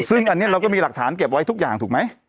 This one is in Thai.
ซึ่งอันนี้เราก็มีหลักฐานเก็บไว้ทุกอย่างถูกไหม